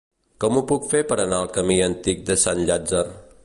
Com ho puc fer per anar al camí Antic de Sant Llàtzer?